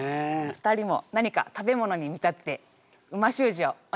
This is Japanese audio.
２人も何か食べ物に見立てて美味しゅう字をお願いします。